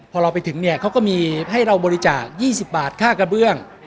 พอเราไปถึงเนี่ยเขาก็มีให้เราบริจาค๒๐บาทค่ากระเบื้อง